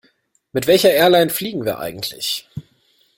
Mit welcher Airline fliegen wir eigentlich?